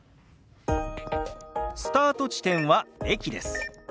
スタート地点は駅です。